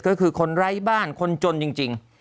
ก็คือคนไร้บ้านคนจนจริง